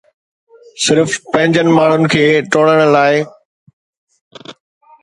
صرف پنهنجن ماڻهن کي ٽوڙڻ لاء